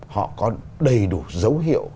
họ có đầy đủ dấu hiệu